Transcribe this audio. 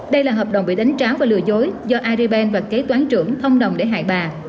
đây là hợp đồng bị đánh tráo và lừa dối do aribank và kế toán trưởng thông đồng để hài bà